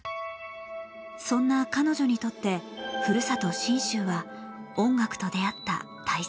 そんな彼女にとってふるさと信州は音楽と出会った大切な原点。